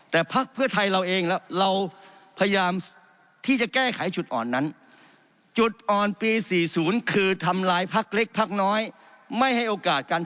แต่ภักดิ์เพื่อไทยเราเองเราพยายามที่จะแก้ไขจุดอ่อนนั้นจุดอ่อนปีสี่ศูนย์คือทำร้ายภักดิ์เล็กภักดิ์น้อย